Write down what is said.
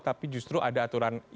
tapi justru ada aturan yang terjadi